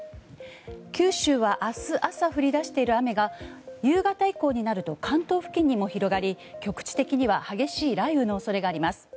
九州は明日朝、降り出している雨が夕方以降になると関東付近にも広がり局地的には激しい雷雨の恐れがあります。